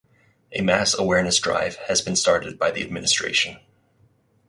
A mass awareness drive has been started by the administration.